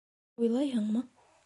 — Уйлайһыңмы?